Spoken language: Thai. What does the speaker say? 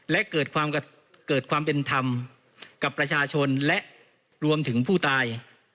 และเกิดความเป็นธรรมกับประชาชนและรวมถึงผู้ตาย